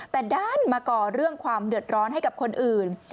แต่ด้านมาก่อเรื่องความเดือดร้อนให้กับคนอื่น